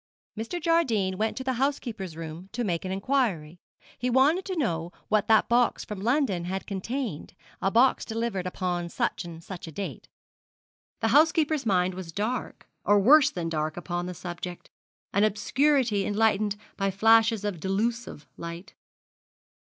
Mr. Jardine went to the housekeeper's room to make an inquiry. He wanted to know what that box from London had contained, a box delivered upon such and such a date. The housekeeper's mind was dark, or worse than dark upon the subject an obscurity enlightened by flashes of delusive light.